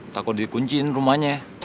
takut dikunciin rumahnya